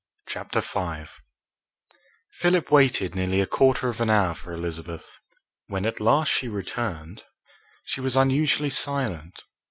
CHAPTER V Philip waited nearly a quarter of an hour for Elizabeth. When at last she returned, she was unusually silent.